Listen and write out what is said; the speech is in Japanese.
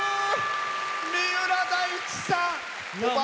三浦大知さん！